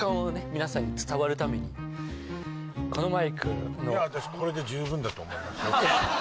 皆さんに伝わるためにこのマイクの私これで十分だと思いますよ